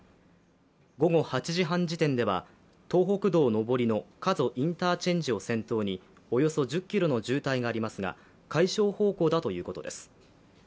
午後８時半時点では、東北道上りの加須インターチェンジを先頭におよそ１０ｋｍの渋滞がありますが解消方向だということです。